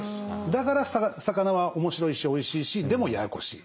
だから魚は面白いしおいしいしでもややこしい。